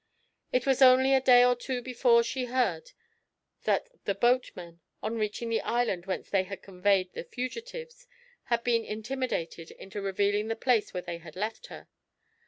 It was only a day or two before she heard that the boatmen, on reaching the island whence they had conveyed the fugitives, had been intimidated into revealing the place where they had left her.